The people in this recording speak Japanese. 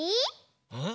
うん？